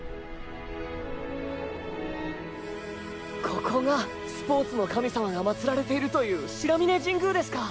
ここがスポーツの神様が祭られているという白峯神宮ですか。